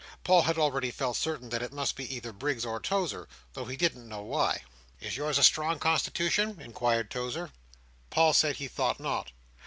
Paul had already felt certain that it must be either Briggs or Tozer, though he didn't know why. "Is yours a strong constitution?" inquired Tozer. Paul said he thought not.